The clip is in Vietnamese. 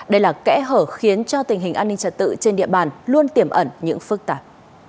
đây là kẽ hở khiến cho tình hình an ninh trật tự trên địa bàn luôn tiềm ẩn những phức tạp